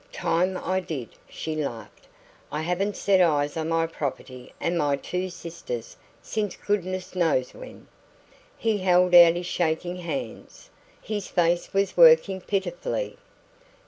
"Time I did," she laughed. "I haven't set eyes on my property and my two sisters since goodness knows when." He held out his shaking hands. His face was working pitifully.